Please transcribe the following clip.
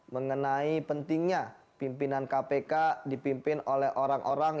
mengenai pentingnya pimpinan kpk dipimpin oleh orang orang